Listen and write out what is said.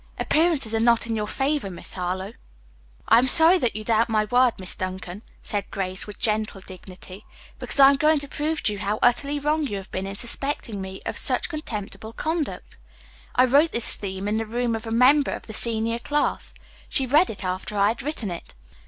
"Appearances are not in your favor, Miss Harlowe." "I am sorry that you doubt my word, Miss Duncan," said Grace with gentle dignity, "because I am going to prove to you how utterly wrong you have been in suspecting me of such contemptible conduct. I wrote this theme in the room of a member of the senior class. She read it after I had written it.